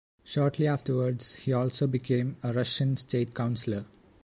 Shortly afterwards, he also became a Russian state councilor.